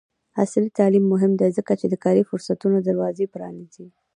عصري تعلیم مهم دی ځکه چې د کاري فرصتونو دروازې پرانیزي.